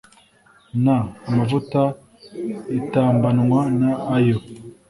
N amavuta itambanwa n ayo